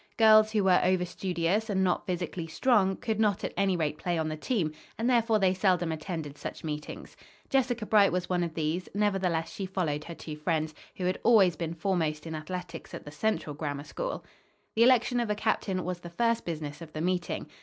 Girls who were overstudious, and not physically strong, could not at any rate play on the team, and therefore they seldom attended such meetings. Jessica Bright was one of these, nevertheless, she followed her two friends, who had always been foremost in athletics at the Central Grammar School. The election of a captain was the first business of the meeting.